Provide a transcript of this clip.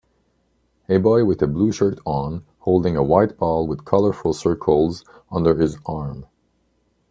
A boy with a blue shirt on holding a white ball with colorful circles under his arm.